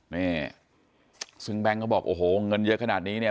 นี่ซึ่งแบงค์เขาบอกโอ้โหเงินเยอะขนาดนี้เนี่ย